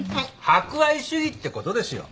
博愛主義ってことですよ。